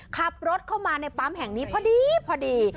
ขับรถเข้ามาในปั๊มแห่งนี้พอดีพอดี